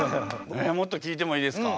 もっと聞いてもいいですか？